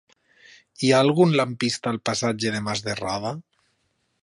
Hi ha algun lampista al passatge de Mas de Roda?